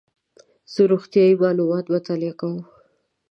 زه روغتیایي معلومات مطالعه کوم.